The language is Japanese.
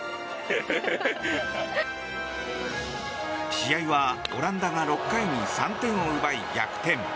試合はオランダが６回に３点を奪い逆転。